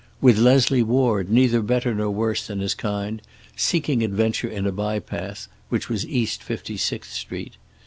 With Leslie Ward, neither better nor worse than his kind, seeking adventure in a bypath, which was East 56th Street.